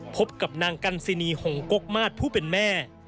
พบกับนางกันซินีหงกกมาตรผู้เป็นแม่